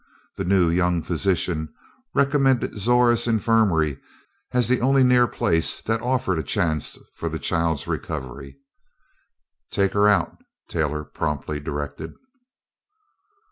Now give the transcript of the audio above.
The new young physician recommended Zora's infirmary as the only near place that offered a chance for the child's recovery. "Take her out," Taylor promptly directed.